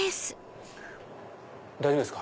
大丈夫ですか？